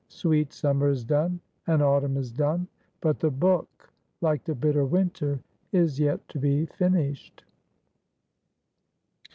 Sweet Summer is done; and Autumn is done; but the book, like the bitter winter, is yet to be finished.